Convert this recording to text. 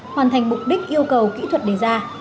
hoàn thành mục đích yêu cầu kỹ thuật đề ra